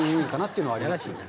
いうのはありますね。